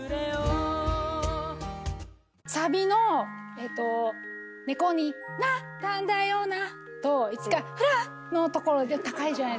サビの「猫になったんだよな」と「いつかフラッ」のところ高いじゃないですか。